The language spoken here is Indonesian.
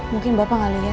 mungkin bapak gak liat